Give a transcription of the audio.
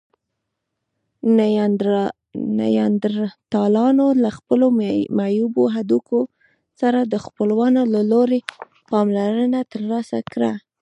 نیاندرتالانو له خپلو معیوبو هډوکو سره د خپلوانو له لوري پاملرنه ترلاسه کړه.